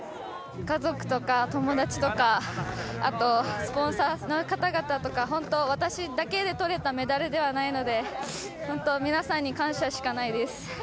家族とか、友だちとか、あと、スポンサーの方々とか、本当、私だけでとれたメダルではないので、本当、皆さんに感謝しかないです。